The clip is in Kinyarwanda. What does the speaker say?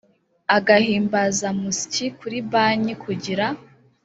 agahimbazamusyi kuri banki kugira